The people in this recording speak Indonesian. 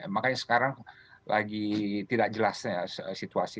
makanya sekarang lagi tidak jelas situasi